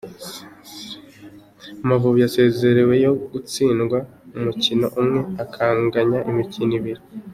Amavubi yasezerewe nyuma yo gutsindwa umukino umwe akanganya imikino ibiri.